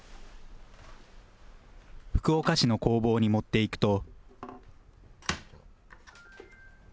福岡市の工房に持っていくと。